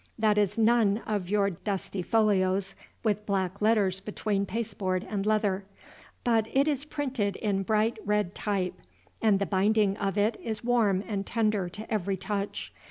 That is none of your dusty folios with black letters between pasteboard and leather, but it is printed in bright red type, and the binding of it is warm and tender to every touch.